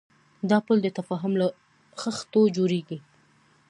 دا پُل د تفاهم له خښتو جوړېږي.